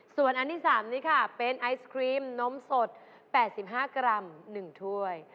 ส่วนอันที่๓นี้ค่ะเป็นไอศครีมนมสด๘๕กรัม๑ถ้วย